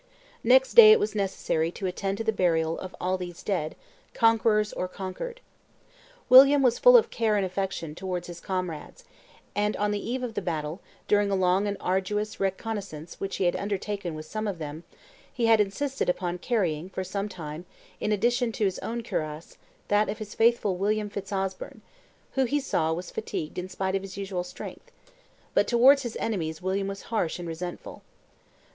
Next day it was necessary to attend to the burial of all these dead, conquerors or conquered. William was full of care and affection towards his comrades; and on the eve of the battle, during a long and arduous reconnoissance which he had undertaken with some of them, he had insisted upon carrying, for some time, in addition to his own cuirass, that of his faithful William Fitz Osbern, who he saw was fatigued in spite of his usual strength; but towards his enemies William was harsh and resentful.